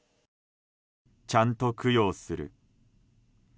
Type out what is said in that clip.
ちゃんと供養する。